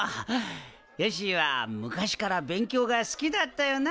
よっしぃは昔から勉強が好きだったよな。